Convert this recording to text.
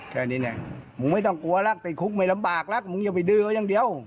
แค่นี้แหละมึงไม่ต้องกลัวแล้วติดคุกไม่ลำบากแล้วมึงอย่าไปดื้อเขาอย่างเดียว